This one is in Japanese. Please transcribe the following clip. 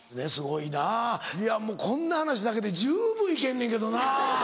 いやもうこんな話だけで十分行けんねんけどな。